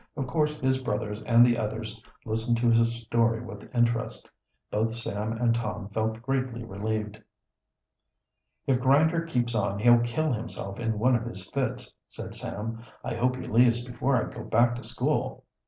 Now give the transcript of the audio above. Of course his brothers and the others listened to his story with interest. Both Sam and Tom felt greatly relieved. "If Grinder keeps on he'll kill himself in one of his fits," said Sam. "I hope he leaves before I go back to school."